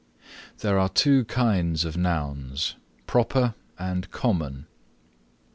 There are two kinds of Nouns, Proper and Common.